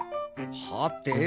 はて？